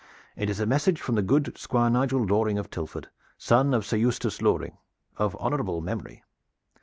It is a message from the good Squire Nigel Loring of Tilford, son of Sir Eustace Loring, of honorable memory.